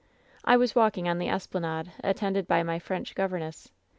"I was walking on the esplanade, attended by my French governess.